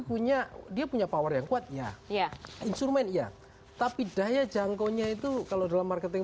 punya dia punya power yang kuat ya ya insurmen ya tapi daya jangkau nya itu kalau dalam marketing